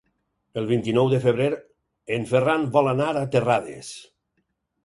El vint-i-nou de febrer en Ferran vol anar a Terrades.